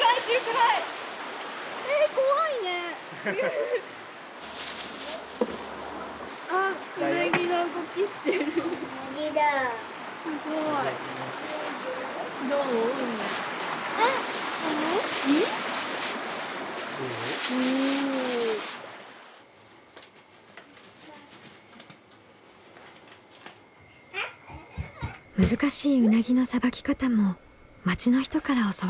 難しいうなぎのさばき方も町の人から教わりました。